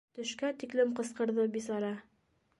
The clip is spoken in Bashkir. Төшкә тиклем ҡысҡырҙы бисара.